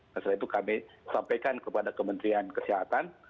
setelah itu kami sampaikan kepada kementerian kesehatan